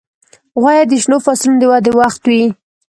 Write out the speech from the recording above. غویی د شنو فصلونو د ودې وخت وي.